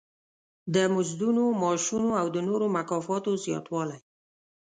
د مزدونو، معاشونو او د نورو مکافاتو زیاتوالی.